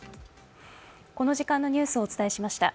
この時間のニュースをお伝えしました。